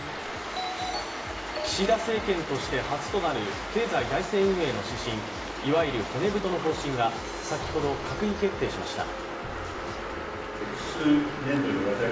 岸田政権として初となる経済財政運営の方針いわゆる骨太の方針が先ほど、閣議決定しました。